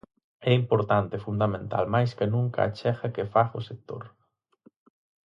É importante e fundamental máis ca nunca a achega que faga o sector.